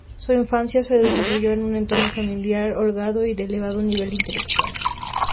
Su infancia se desarrolló en un entorno familiar holgado y de elevado nivel intelectual.